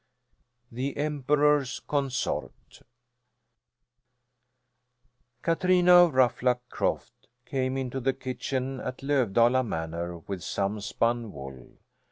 THE EMPEROR'S CONSORT Katrina of Ruffluck Croft came into the kitchen at Lövdala Manor with some spun wool.